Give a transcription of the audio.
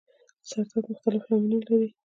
سر درد مختلف لاملونه لري